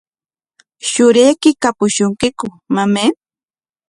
¿Shurayki kapushunkiku, mamay?